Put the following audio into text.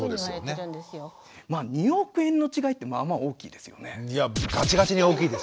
２億円の違いってまあまあ大きいですよね。